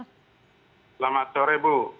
selamat sore bu